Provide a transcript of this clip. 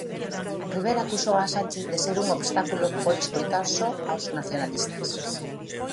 Rivera acusou a Sánchez de ser un obstáculo por escoitar só aos nacionalistas.